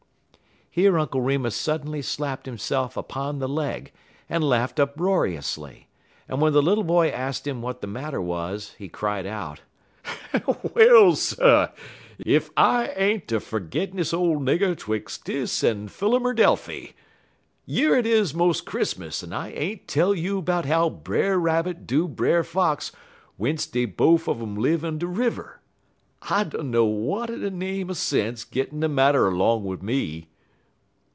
Here Uncle Remus suddenly slapped himself upon the leg, and laughed uproariously; and when the little boy asked him what the matter was, he cried out: "Well, sir! Ef I ain't de fergittenest ole nigger twix' dis en Phillimerdelphy! Yer 't is mos' Chris'mus en I ain't tell you 'bout how Brer Rabbit do Brer Fox w'ence dey bofe un um live on de river. I dunner w'at de name er sense gittin' de marter 'long wid me."